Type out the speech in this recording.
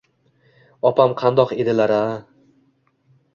Opam qandoq edilar-a!